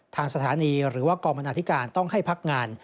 ทางสถานีหรือว่ากองบรรณาธิการต้องให้พักงาน